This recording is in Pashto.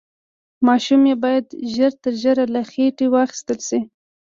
ماشوم يې بايد ژر تر ژره له خېټې واخيستل شي.